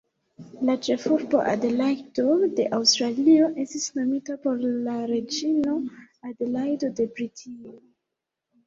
La ĉefurbo Adelajdo de Aŭstralio estis nomita por la reĝino Adelajdo de Britio.